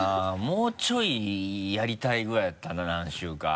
もうちょいやりたいぐらいだったな何周か。